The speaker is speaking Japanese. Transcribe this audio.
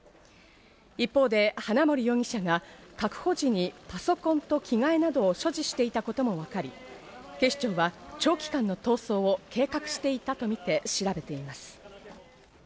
一方で花森容疑者が確保時にパソコンと着替えなどを所持していたことも分かり、警視庁は長期間の逃走を計画していたとみて調べています。